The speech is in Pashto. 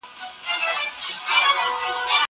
زه لرګي نه راوړم!!